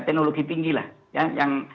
teknologi tinggi lah yang